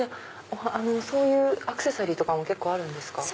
そういうアクセサリーとかも結構あるんですか？